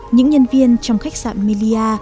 những nhân viên trong khách sạn melia